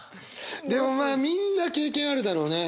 でもまあみんな経験あるだろうね。